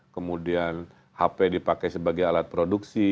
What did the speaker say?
kemudian hp dipakai sebagai alat produksi